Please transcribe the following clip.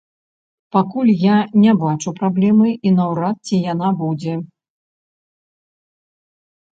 Пакуль я не бачу праблемы і наўрад ці яна будзе.